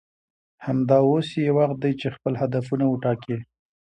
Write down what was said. همدا اوس یې وخت دی چې خپل هدفونه وټاکئ